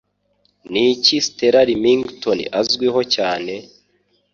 Niki Stella Rimington azwiho cyane?